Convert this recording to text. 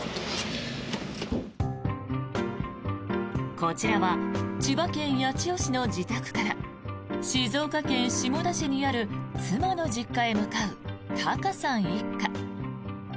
こちらは千葉県八千代市の自宅から静岡県下田市にある妻の実家に向かう高さん一家。